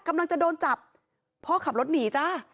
กำลังจะโดนจับพ่อขับรถหนีจ้า